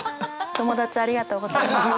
友達ありがとうございます。